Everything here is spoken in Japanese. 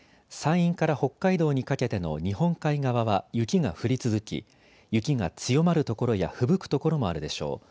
山陰から北海道にかけての日本海側は雪が降り続き雪が強まる所やふぶく所もあるでしょう。